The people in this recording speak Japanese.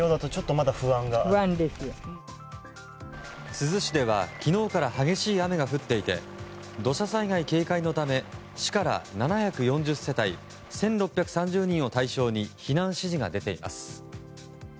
珠洲市では昨日から激しい雨が降っていて土砂災害警戒のため市から７４０世帯１６３０人を対象に避難指示が出ています。